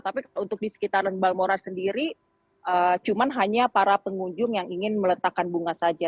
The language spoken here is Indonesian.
tapi untuk di sekitaran balmora sendiri cuma hanya para pengunjung yang ingin meletakkan bunga saja